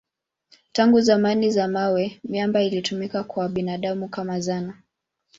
Tangu zama za mawe miamba ilitumiwa na binadamu kama zana.